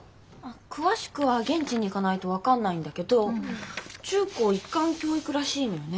詳しくは現地に行かないと分かんないんだけど中高一貫教育らしいのよね。